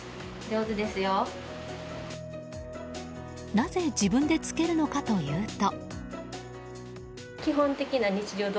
なぜ自分でつけるのかというと。